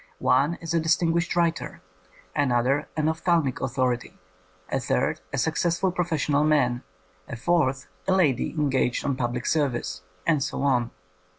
One is a distinguished writer, another an ophthalmic authority, a third a successful professional man, a fourth a lady engaged on public service, and so on.